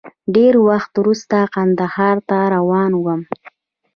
ډېر وخت وروسته کندهار ته روان وم.